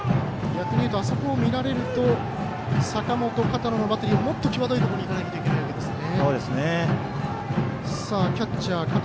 逆に言うとそこを見られると坂本片野のバッテリーもっと際どいところにいかないといけないんですね。